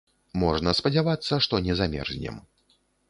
Можна спадзявацца, што не замерзнем.